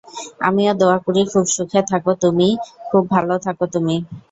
আমিও দোয়া করি খুব সুখে থাকো তুমি, খুব ভালো থাকো তুমি।